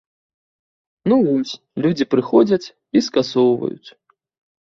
Ну вось, людзі прыходзяць і скасоўваць.